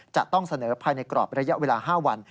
จะต้องเสนอภายในกรอบระยะเวลา๕วัน